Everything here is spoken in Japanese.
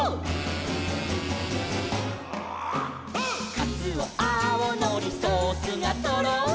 「かつおあおのりソースがとろり」